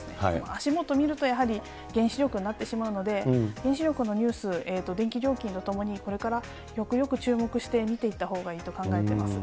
足元見るとやはり、原子力になってしまうので、原子力のニュース、電気料金とともにこれから、よくよく注目して見ていったほうがいいと考えています。